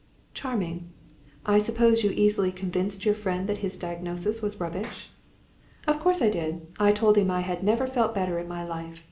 "Charming. I suppose you easily convinced your friend that his diagnosis was rubbish?" "Of course I did. I told him I had never felt better in my life.